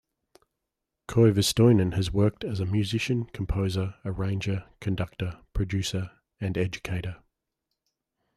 Koivistoinen has worked as a musician, composer, arranger, conductor, producer and educator.